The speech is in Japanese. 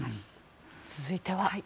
続いては。